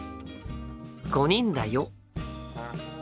５人だよ。